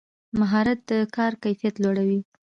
مهارت د کار کیفیت لوړوي